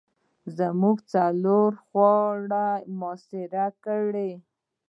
زموږ څلور خواوې یې را محاصره کړلې.